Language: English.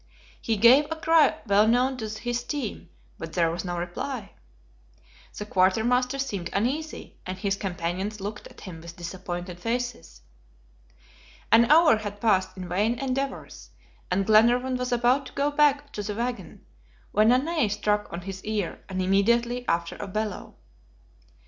He gave a cry well known to his team, but there was no reply. The quartermaster seemed uneasy, and his companions looked at him with disappointed faces. An hour had passed in vain endeavors, and Glenarvan was about to go back to the wagon, when a neigh struck on his ear, and immediately after a bellow.